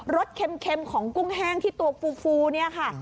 สเค็มของกุ้งแห้งที่ตัวฟูเนี่ยค่ะ